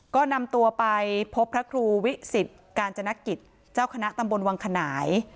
ก็นำตัวไปพบพระครูวิสิทธิ์กาญจนกิจเจ้าคณะตำบลวังขนาย